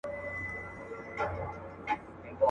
چي په کلي کي غوايي سره په جنګ سي.